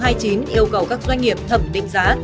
yêu cầu các doanh nghiệp thẩm định giá